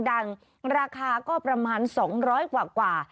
ราคาก็ประมาณ๒๐๐กว่า